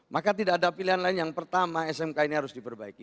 maka tidak ada pilihan lain yang pertama smk ini harus diperbaiki